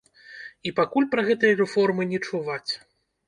І пакуль пра гэтыя рэформы не чуваць.